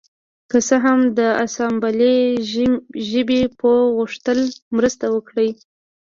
که څه هم د اسامبلۍ ژبې پوه غوښتل مرسته وکړي